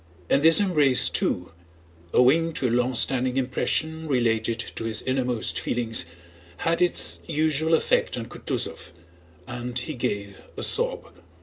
And this embrace too, owing to a long standing impression related to his innermost feelings, had its usual effect on Kutúzov and he gave a sob.